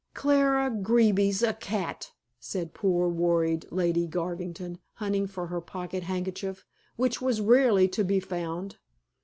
"Clara Greeby's a cat," said poor, worried Lady Garvington, hunting for her pocket handkerchief, which was rarely to be found.